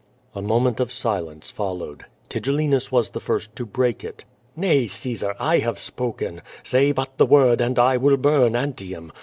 A moment of silence followed. Tigellinus was the first to break it. ^*Nay, Caesar, I have spoken. Say but the word and I will burn Antium.